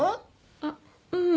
あっうん。